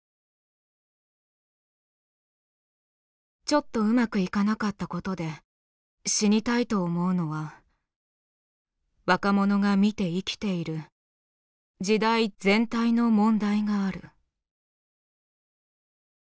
「ちょっとうまくいかなかったことで死にたいと思うのは若者が見て生きている時代全体の問題がある」。